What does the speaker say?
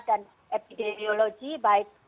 dan epidemiologi baik